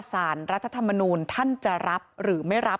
สารรัฐธรรมนูลท่านจะรับหรือไม่รับ